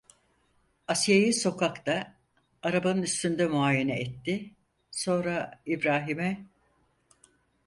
Asiye'yi sokakta, arabanın üstünde muayene etti, sonra İbrahim'e: